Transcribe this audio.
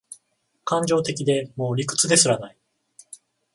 感情的で、もう理屈ですらない